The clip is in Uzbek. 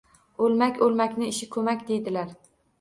— O’lmak, o‘lmakni ishi ko‘mmak, deydilar.